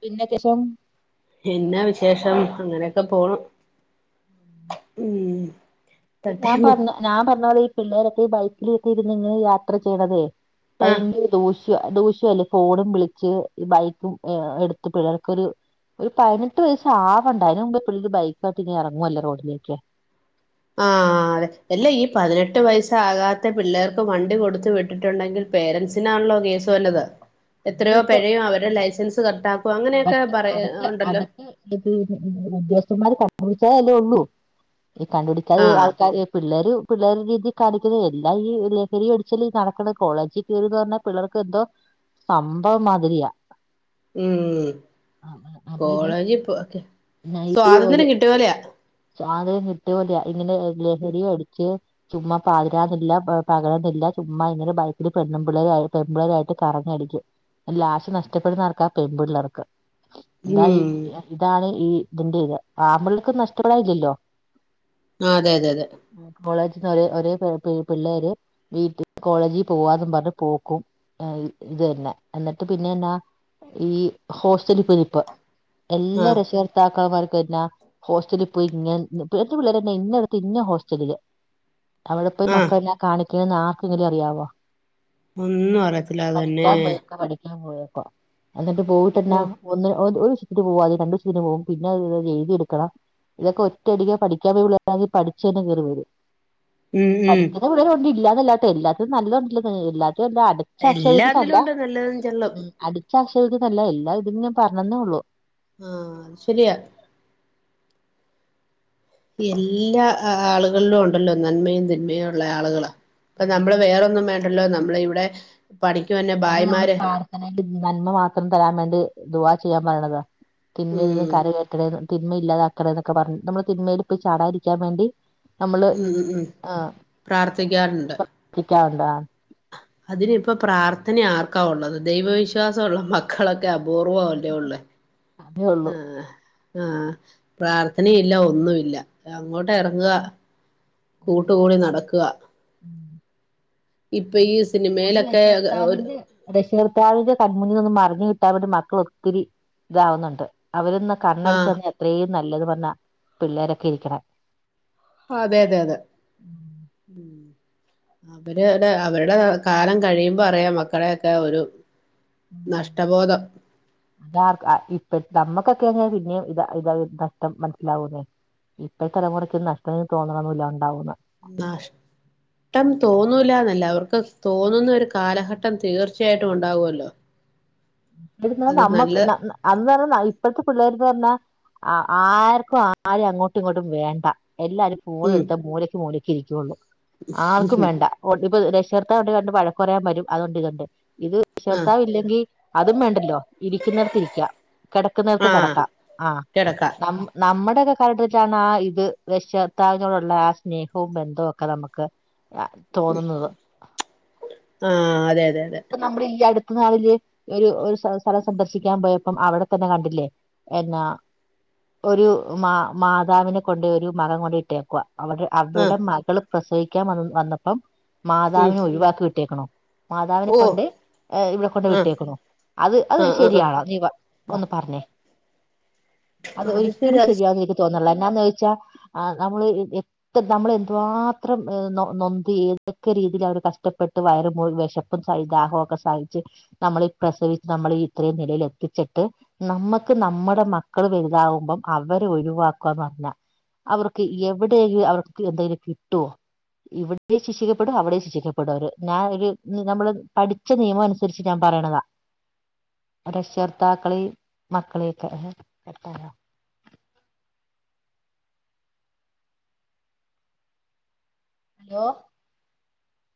പിന്നെക്കേശം എന്നാ വിശേഷം അങ്ങനെക്കെ പോണം ഉം ഈ ഞാൻ തട്ടേമ പറഞ്ഞ ഞാൻ പറഞ്ഞോളെ ഈ പിള്ളേരൊക്കെ ഈ ബൈക്കിൽ എത്തിയിരുന്നു ഇങ്ങ യാത്ര ചെയ്യണത് ആഹ് ഭയങ്കര ദോഷ് ദൂശ്യ ദുഷ്യല്ലേ ഫോണും വിളിച്ച്ഈ ബൈക്കും യ്ഹ് എടുത്തിട്ടുള്ളർക്കൊരു ഒരു പയിനെട്ട് വയസാവണ്ടേ അയിന് മുമ്പ് പിള്ളർ ബൈക്കാട്ട് നി ഇറങ്ങുല്ലേ റോഡിലേക്ക് ആഹ് തെ അല്ല ഈ പതിനെട്ട് വയസ്സാകാത്ത പിള്ളേർക്ക് വണ്ടി കൊടുത്ത് വിട്ടിട്ടുണ്ടെങ്കിൽ പേരൻസിനാണല്ലോ കേസ് വന്നത്. അങ്ങനെ എത്രയോ ഇപ്പൊ പെഴയും അവര്ടെ ലൈസൻസ് കട്ടാക്കും, അങ്ങനെയൊക്കെ പറ ഉണ്ടല്ലോ. ത് പൊ ഉദ്യോഗസ്ഥന്മാര് കണ്ടുപിടിച്ചാല അല്ലേ ഒള്ളൂ ഈ കണ്ടുപിടിച്ചാല് ആഹ് ആൾക്കാര് പിള്ളേരു പിള്ളേരു രീതിൽ കാണിക്കുന്നത്. എല്ലാം ഈ ലഹരി അടിച്ചലെ ഈ നടക്കുന്നത് കോളേജിൽ തീന്ന് പർഞ്ഞാ പിള്ളേർക്ക് എന്തോ സംഭവം മാതിരിയ ഉം, അപ്പൊ ഇത് കോളേജിൽപൊ കെ സ്വാതന്ത്ര്യം കിട്ട്യപോലെയാ. സ്വാന്ത്ര്യം കിട്ട്യലാ ഇങ്ങനെ ലഹരി അടിച്ച് ചുമ്മാ പാതിരാന്നില്ല പകലന്നില്ല ചുമ്മാ ഇങ്ങനെ ബൈക്കില് പെണ്ണുംപിള്ളേരായി പെൺമ്പുള്ളേരായിട്ട് കറങ്ങി അടിക്കും ലാസ്റ്റ് നഷ്ടപ്പെടുന്നതാർക്കാ, പെൺപിള്ളേർക്ക്. ന്താ ഈ ഉം ഇതാണ് ഈ ഇതിന്റെ ഇത് ആമ്പിള്ളേക്ക് നഷ്ട്ടപെടായില്ലല്ലോ. ആഹ്, അതെ അതെ അതെ ഉം കോളേജ്ന്ന് ഒരെ ഒരേ പെ പ് പിള്ളേര് വീട്ടിൽ കോളേജിൽ പോവാന്നും പറഞ്ഞ് പോക്കും ആ ഇ ഇത് തന്നെ എന്നിട്ട് പിന്നെ എന്നാ ഈ ഹോസ്റ്റലിൽ പോയി നിൽപ്പ് എല്ലാ ആഹ് രക്ഷകർത്താക്കന്മാർകും എന്നാ, ഹോസ്റ്റലിൽ പിന്നെ ഇപ്പോഴത്തെ പിള്ളേരൊക്കെ ഇന്നടത്ത് ഇന്ന ഹോസ്റ്റലില്. അവടെ പോയി ആഹ് മക്കളെല്ലാ കാണിക്കണന്ന് ആർക്കങ്കിലും അറിയാവോ? ഒന്നും അറിയത്തില്ല അത് തന്നെ. [unintelligible] പോയെക്കുവാ. എന്നിട്ട് പോയിട്ടന്നാ ഓഹ് ഒന്ന് ഒര് വിഷ്തിന് പോവും, അത് രണ്ട്‌ വിഷ്തിന് പോകും പിന്നെ അത് ഏഴ്തിട്ക്കണം. ഇതൊക്കെ ഒറ്റടിക്ക് പഠിക്കാൻ കഴിവുള്ളോരാണെങ്കി പഠിച്ച് തന്നെ കേറിവരും. [unintelligible] മ്മളെ പിള്ളേരുണ്ട്‌, ഇല്ലന്നല്ലാട്ടൊ, എല്ലാത്തും നല്ലതൊണ്ടല്ല എല്ലാതും അടു ച്ച എല്ലാത്തിലും ആക്ഷേപിക്കുന്നല്ല, ഉണ്ട് നല്ലതും ചെള്ളും ഉം അടിച്ച അക്ഷേപിക്കുന്നല്ല എല്ലാ ഇതിന്നും പറഞ്ഞന്നേ ഉള്ളു. ആഹ്, ശരിയാ. പൊ എല്ലാ ആളുകളിലു ഉണ്ടല്ലോ നന്മയും തിന്മയും ഉള്ള ആളുകള്. നമ്മള് വേറൊന്നും വേണ്ടല്ലോ നമ്മളെ ഇവിടെ പണിക് വര്ന്ന അതല്ലെ നമ്മള് പ്രാർത്ഥനയില് നന്മ മാത്രം തരാൻ വേണ്ടി ദുആ ചെയ്യാൻ പറയണത് തിന്മയിൽ നിന്ന് ഉം കര കേറ്റണേന്ന് തിന്മ ഇല്ലാതാക്കണേ ന്നൊക്കെ പറഞ്ഞു നമ്മള് തിന്മയിൽ ഇപ്പോയി ചാടാതിരിക്കാൻ വേണ്ടി നമ്മള് ഉം ഉം ഉം പ്രാർത്ഥിക്കാറുണ്ട്. ത്ഥിക്കാറുണ്ട് ആ. അതിനി ഇപ്പോ പ്രാർത്ഥന ആർക്കാ ഉള്ളത് ദൈവവിശ്വാസൊള്ള മക് ക്കളൊക്കെ അപൂർവ്വംല്ലേ ഉള്ളേ അതേ ഉള്ളൂ ആഹ്. ആഹ്, പ്രാർത്ഥനയില്ല ഒന്നുഇല്ല അങ്ങോട്ട് എർങ്ങ. കൂട്ടുകൂടി നടക്ക ഇപ്പ അപ്പം ഈ ഒന്ന് സിനിമേലൊക്കെ ഒര് രക്ഷകർത്താവിന്റെ രക്ഷകർത്താവിന്റെ കൺ മുന്നിൽനിന്നും മറഞ്ഞ് കിട്ടാൻ വേണ്ടി മക്കൾ ഒത്തിരി ഇതാവുന്നുണ്ട് അവരൊന്ന് ആഹ് കണ്ണടച്ചെങ്കി അത്രയും നല്ലത് പറഞ്ഞ പിള്ളേരൊക്കെ ഇരിക്കണേ. അതെ അതെ അതെ. അവര് ടെ അവരുടെ കാലം കഴിയുമ്പോ അറിയാം മക്കളെയൊക്കെ ഒരു നഷ്ട്ട ബോധം. താർക് ഇപ്പ നമ്മക്കൊക്കെന്ന് പിന്നേം ഇത ഇത നഷ്ടം മനസ്സിലാവുന്നേ. ഇപ്പോഴ തലമുറക്ക് നഷ്ട്ടം തോന്ന്ണൊ ന്നുല്ല ഉണ്ടാവൂല ന്നശ് ട്ടം തോന്നൂല്ല ന്നല്ല, അവർക്ക് തോന്നുന്ന ഒരു കാലഘട്ടം തീർച്ചയായിട്ടു ഉണ്ടാവൊല്ലോ. [inaudible] [unintelligible] നമ്മക്ക് ന്ന ന്ന അന്ന് അർഞ്ഞ ഇപ്പഴത്തെ പിള്ളേര്ന്ന് പറഞ്ഞാ അ ആർക്കും ആരും അങ്ങോട്ടും ഇങ്ങോട്ടും വേണ്ട, എല്ലാരും ഉം ഫോണെടുത്ത മൂലക് മൂലക് ഇരിക്കൊള്ളൂ, ആർക്കും വേണ്ട. [unintelligible] പ്പത് രക്ഷകർത്താവുണ്ടെങ്കി രണ്ട് വഴക്ക് പറയാൻ വരും, അതുകൊണ്ട് ഇത്ണ്ട് ഇത് ആഹ് രക്ഷകർത്താവ് ഇല്ലെങ്കി അതും വേണ്ടല്ലോ, ഇരിക്കുന്നടത്തി ഇരിക്കാം കിടക്കുന്നടത്ത് ആഹ് കടക്കാം, ആഹ്. കിടക്ക അം നമ്മുടക്കെ കാലഘട്ടത്തില് വെച്ച ആ ഇത് രക്ഷകർത്താക്കളോടുള്ള ആ സ്നേഹവും ബന്ധവും ഒക്കെ നമുക്ക് [inaudible] [unintelligible] ആഹ് അതെ അതെ അതെ ഇപ്പൊ നമ്മുടെ ഈ അടു നാളില് ഒരു സ്ഥലം സന്ദർശിക്കാൻ പോയപ്പം അവിടെ തന്നെ കണ്ടില്ലേ എന്നാ ഒരു മാ മാതാവിനെ കൊണ്ട് ഒരു മകൻ കൊണ്ടിട്ടേക്കുവാ അവടെ ആഹ് അവരുടെ മകള് പ്രസവിക്കാൻ വ വന്നപ്പം ഉം മാതാവിനെ ഒഴിവാക്കി ട്ടേക്ണ് മാതാവിനെ ഓ കൊണ്ട് ഏ ഇവിടെ കൊണ്ട് ആഹ് വിട്ടേക്കണ് അത് അത് ആഹ് ആഹ് ശരിയാണോ നീപ ആഹ് ഒന്ന് പറഞ്ഞേ അത് ശരി ഒരിക്കലും അത് ശരിയാകുന്നു എനിക്ക് തോന്നില്ല എന്നാന്ന് ചോദിച്ചാ ആഹ് അത്‌ മ്മള്ഇ ഇ നമ്മൾ എന്തുമാത്രം നൊന്ത് ഏതൊക്കെ രീതിയിൽ അവര് കഷ്ടപ്പെട്ട് വയറ മുഴ വെഷം സ ദാഹവുമൊക്കെ സഹിച്ച് നമ്മൾ പ്രസവിച്ച് നമ്മൾ ഇത്രയും നിലൽ എത്തിച്ചിട്ട് നമ്മക്ക് നമ്മടെ മക്കള് വലുതാവുമ്പം അവര് ഒഴിവാക്കന്നല്ല അവർക്ക് എവിടെ ല് അവർക്ക് എന്തെലും കിട്ടോ ഇവിട്ത്തെ ശിക്ഷിക്കപ്പെടും അവിടെയും ശിക്ഷിക്കപ്പെടും അവര് ഞാ ഒര് നമ്മള് പഠിച്ച നിയമം അനുസരിച്ച് ഞാൻ പറയിണതാ രക്ഷകർത്താക്കളി മക്കളെയക്കെ തെറ്റാണോ ഹലോ